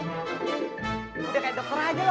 udah kayak dokter aja